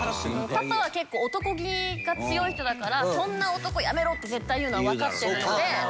パパは結構おとこ気が強い人だから「そんな男やめろ！」って絶対言うのはわかってるので。